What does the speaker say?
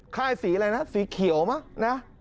ค่ายสีอะไรนะสีเขียวไหม